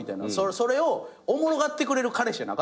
それをおもろがってくれる彼氏じゃなかってん。